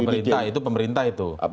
pemerintah itu pemerintah itu